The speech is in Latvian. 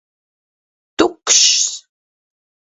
Tukšs!